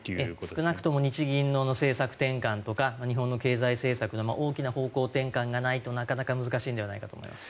少なくとも日銀の政策転換とか日本の経済政策の大きな方向転換がないとなかなか難しいのではないかと思います。